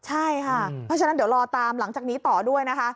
ใช่ค่ะเพราะฉะนั้นเดี๋ยวรอตามหลังจากนี้ต่อด้วยนะคะ